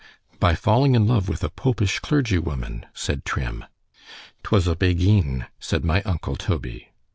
By falling in love with a popish clergy woman; said Trim. 'Twas a Beguine, said my uncle _Toby.